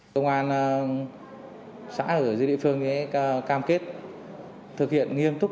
công an xã ở dưới địa phương cam kết thực hiện nghiêm túc